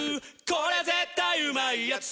これ絶対うまいやつ」